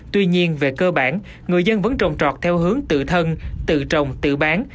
tuy nhiên về cơ bản người dân vẫn trồng trọt theo hướng tự thân tự trồng tự bán